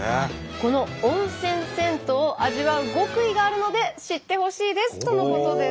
「この温泉銭湯を味わう極意があるので知ってほしいです」とのことです。